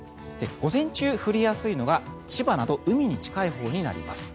午前中降りやすいのが、千葉など海に近いほうになります。